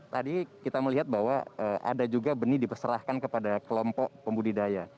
tadi kita melihat bahwa ada juga benih diperserahkan kepada kelompok pembudidaya